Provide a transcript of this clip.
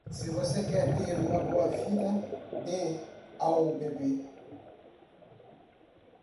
Se você quer ter uma boa vida, dê ao bebê.